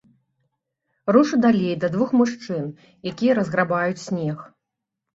Рушу далей да двух мужчын, якія разграбаюць снег.